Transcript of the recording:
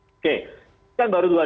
oke kan baru dua